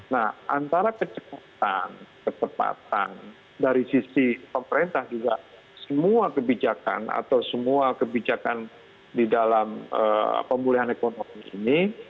nah antara kecepatan kecepatan dari sisi pemerintah juga semua kebijakan atau semua kebijakan di dalam pemulihan ekonomi ini